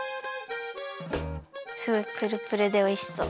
すごいプルプルでおいしそう。